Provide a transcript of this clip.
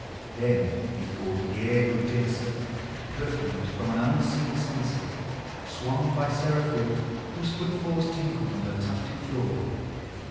Then methought the air grew denser, perfumed from an unseen censer, Swung by seraphim, whose footfalls tinkled on the tufted floor.